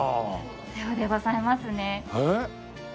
左様でございますね。